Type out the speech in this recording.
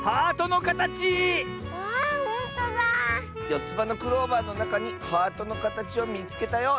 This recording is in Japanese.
「よつばのクローバーのなかにハートのかたちをみつけたよ！」